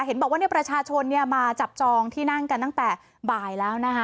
เห็นบอกว่าประชาชนมาจับจองที่นั่งกันตั้งแต่บ่ายแล้วนะคะ